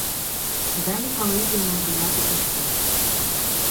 Далі палити й мордувати пішли.